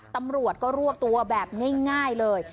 ตำรวจก็รวบตัวแบบง่ายเลย